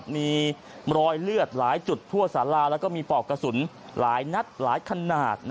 มีรอยเลือดหลายจุดทั่วสาราแล้วก็มีปอกกระสุนหลายนัดหลายขนาด